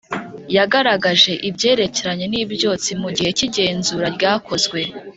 Yagaragaje ibyerekeranye n’ibyotsi mu gihe cy’igenzura ryakozwe